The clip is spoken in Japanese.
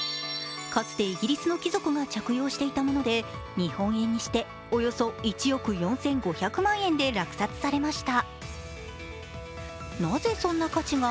かつてイギリスの貴族が着用していたもので日本円にしておよそ１億４５００万円で落札されました。